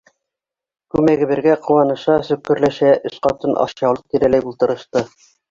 Күмәге бергә ҡыуаныша-сөкөрләшә өс ҡатын ашъяулыҡ тирәләй ултырышты.